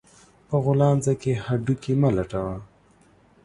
په غولانځه کې هډو کى مه لټوه